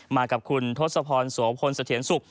มากับคุณทศพรโสพลเสถียรสุข